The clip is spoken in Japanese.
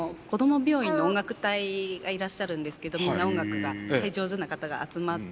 病院の音楽隊がいらっしゃるんですけどみんな音楽が上手な方が集まって。